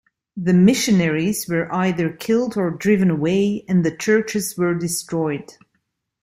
The missionaries were either killed or driven away, and the churches were destroyed.